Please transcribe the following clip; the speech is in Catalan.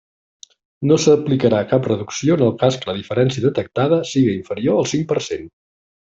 No s'aplicarà cap reducció en el cas que la diferència detectada siga inferior al cinc per cent.